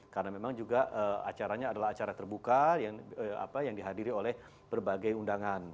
karena memang juga acaranya adalah acara terbuka yang dihadiri oleh berbagai undangan